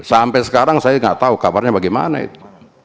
sampai sekarang saya nggak tahu kabarnya bagaimana itu